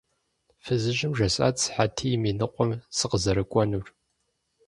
Фызыжьым жесӏат сыхьэтийм и ныкъуэм сыкъызэрыкӏуэнур.